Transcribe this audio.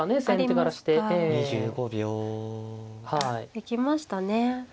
行きましたね。